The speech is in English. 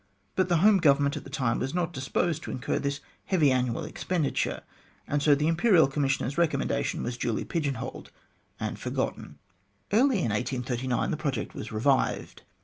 But the Home Government at the time was not disposed to incur this heavy annual expenditure, and so the Imperial Commissioner's recommendation was duly pigeon holed and forgotten. Early in 1839 the project was revived.